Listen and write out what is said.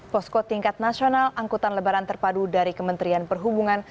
posko tingkat nasional angkutan lebaran terpadu dari kementerian perhubungan